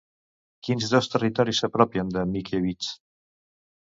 Quins dos territoris s'apropien de Mickiewicz?